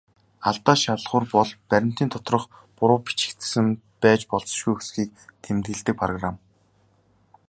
Алдаа шалгуур бол баримтын доторх буруу бичигдсэн байж болзошгүй үгсийг тэмдэглэдэг программ.